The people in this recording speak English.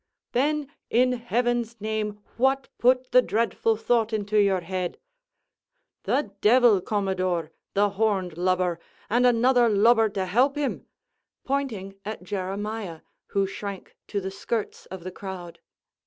"Then, in heaven's name, what put the dreadful thought in your head?" "The devil, commodore, (the horned lubber!) and another lubber to help him" pointing at Jeremiah, who shrank to the skirts of the crowd.